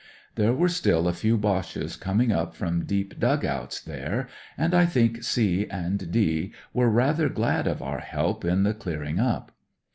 There were still a few Boches coming up from deep dug outs there, and I think * C * and • D ' were rather glad of our help in the clearing up.